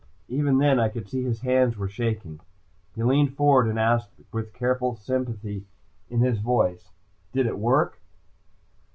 Even then, I could see his hands were shaking. He leaned forward and asked with careful sympathy in his voice. "Didn't it work?"